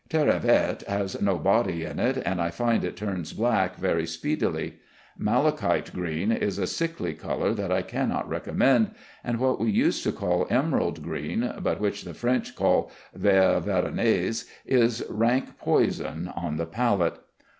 Terra verte has no body in it, and I find it turns black very speedily. Malachite green is a sickly color that I cannot recommend; and what we used to call emerald green, but which the French call vert veronese, is rank poison on the palette.